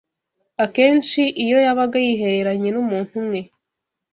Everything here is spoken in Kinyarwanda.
Akenshi iyo yabaga yihereranye n’umuntu umwe